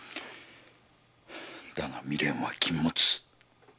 だが未練は禁物。